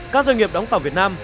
các doanh nghiệp đóng tàu việt nam